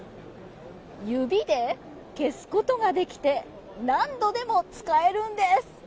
指で消すことができて何度も使えるんです。